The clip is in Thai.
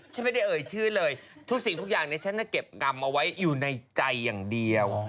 ฉันไม่ได้เอ่ยชื่อเลยทุกสิ่งทุกอย่างเนี่ยฉันจะเก็บกรรมเอาไว้อยู่ในใจอย่างเดียว